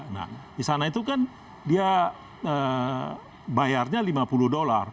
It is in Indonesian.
nah di sana itu kan dia bayarnya lima puluh dolar